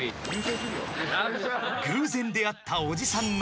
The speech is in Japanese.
［偶然出会ったおじさんの］